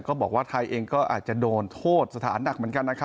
ก็บอกว่าไทยเองก็อาจจะโดนโทษสถานหนักเหมือนกันนะครับ